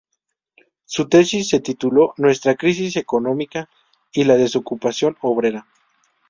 Su tesis se tituló “Nuestra crisis económica y la desocupación obrera".